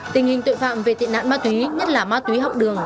tình hình tội phạm về tị nạn ma túy nhất là ma túy học đường